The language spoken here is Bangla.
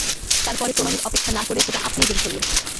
তার পরে প্রমাণের অপেক্ষা না করে সেটা আপনিই বেড়ে চলল।